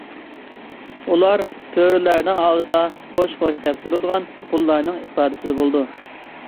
ئۇلار تۆرىلەرنىڭ ئالدىدا خوش ـ خوش دەپ تۇرىدىغان قۇللارنىڭ ئىپادىسىدە بولىدۇ.